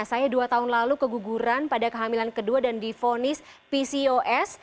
saya dua tahun lalu keguguran pada kehamilan kedua dan difonis pcos